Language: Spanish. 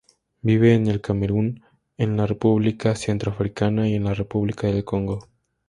Vive en el Camerún, en la República Centroafricana y en la República del Congo.